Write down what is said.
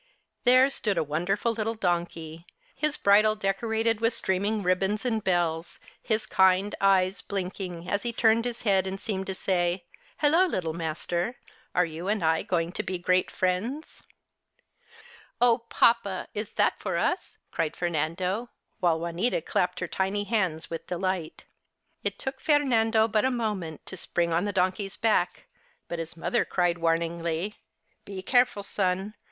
There stood a wonderful little donkey, his bridle decorated with streaming ribbons and bells, his kind eyes blinking as he turned his head and seemed to say, " Hello, Little Master, are you and I going to be great friends ?"" Oh, papa, is that for us ?" cried Fernando, while Juanita clapped her tiny hands with de light. It took Fernando but a moment to spring on the donkey's back, but his mother cried, warningly : The Holidays 59 ci Be careful, son